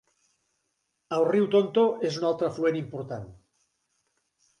El riu Tonto és un altre afluent important.